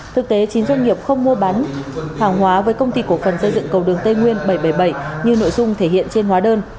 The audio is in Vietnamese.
thực tế chín doanh nghiệp không mua bán hàng hóa với công ty cổ phần dây dựng cầu đường tây nguyên bảy trăm bảy mươi bảy như nội dung thể hiện trên hóa đơn